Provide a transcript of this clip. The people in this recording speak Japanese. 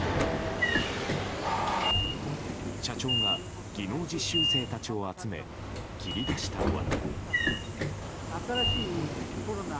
社長が技能実習生たちを集め切り出したのは。